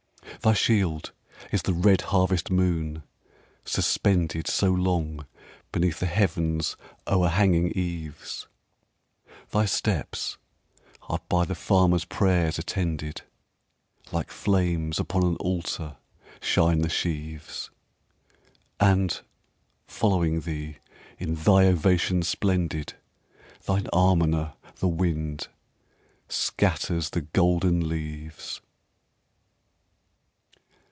Thy shield is the red harvest moon, suspendedSo long beneath the heaven's o'erhanging eaves; Thy steps are by the farmer's prayers attended; Like flames upon an altar shine the sheaves; And, following thee, in thy ovation splendid, Thine almoner, the wind, scatters the golden leaves!